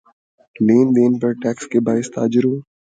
لین دین پر ٹیکس کے باعث تاجروں